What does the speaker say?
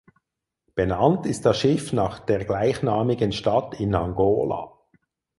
Benannt ist das Schiff nach der gleichnamigen Stadt in Angola.